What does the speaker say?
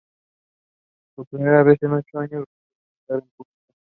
Por primera vez en ocho años volvía a cantar en público.